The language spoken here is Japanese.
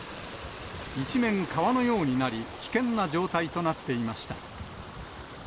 一面川のようになり、危険な状態となっていました。